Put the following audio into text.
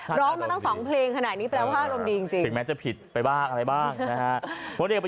อารมณ์ดีดิร้องมาตั้งสองเพลงขนาดนี้แปลว่าอารมณ์ดีจริง